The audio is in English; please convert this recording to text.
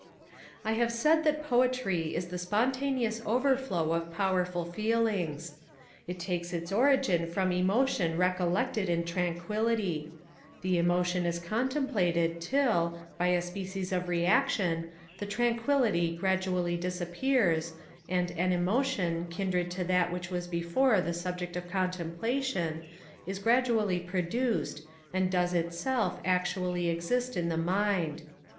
I have said that poetry is the spontaneous overflow of powerful feelings: it takes its origin from emotion recollected in tranquillity: the emotion is contemplated till, by a species of reaction, the tranquillity gradually disappears, and an emotion, kindred to that which was before the subject of contemplation, is gradually produced, and does itself actually exist in the mind.